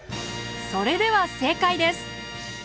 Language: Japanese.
それでは正解です。